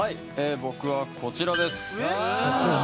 僕はこちらです。